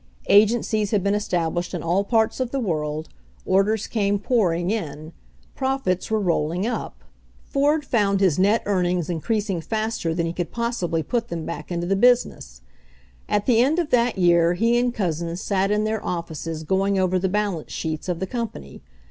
Agencies had been established in all parts of the world, orders came pouring in. Profits were rolling up. Ford found 138 HENRY FORD'S OWN STORY his net earnings increasing faster than he could possibly put them back into the business. At the end of that year he and Couzens sat in their offices going over the balance sheets of the company.